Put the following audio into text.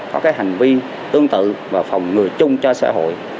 có cái hành vi tương tự và phòng ngừa chung cho xã hội